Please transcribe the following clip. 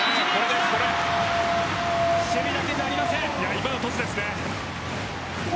今のトスですね。